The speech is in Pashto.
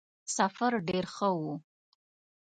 سفر ډېر ښه وو.